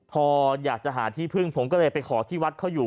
พออยากจะหาที่พึ่งผมก็เลยไปขอที่วัดเขาอยู่